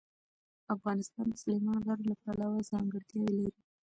افغانستان د سلیمان غر پلوه ځانګړتیاوې لري.